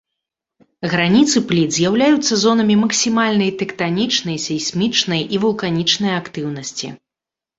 Граніцы пліт з'яўляюцца зонамі максімальнай тэктанічнай, сейсмічнай і вулканічнай актыўнасці.